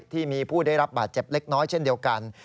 ที่มีผู้ได้รับบาดเจ็บเล็กน้อยเช่นเดียวกัน